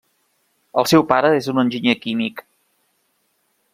El seu pare és un enginyer químic.